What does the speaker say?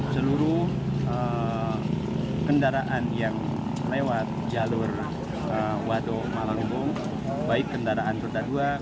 seluruh kendaraan yang lewat jalur wado malanggung baik kendaraan berdaduan